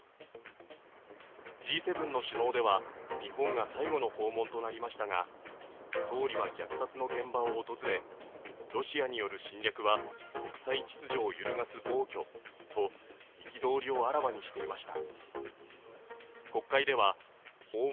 Ｇ７の首脳では日本が最後の訪問となりましたが総理は虐殺の現場を訪れロシアによる侵略は国際秩序を揺るがす暴挙と憤りをあらわにしていました。